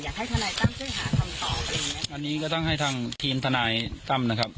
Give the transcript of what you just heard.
ทนายตั้มช่วยหาคำตอบอะไรอย่างเงี้ยอันนี้ก็ต้องให้ทางทีมทนายตั้มนะครับ